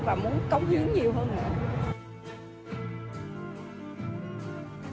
và muốn cống hiến nhiều hơn nữa